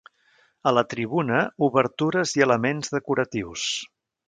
A la tribuna, obertures i elements decoratius.